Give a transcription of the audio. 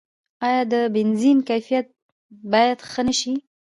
آیا د بنزین کیفیت باید ښه نشي؟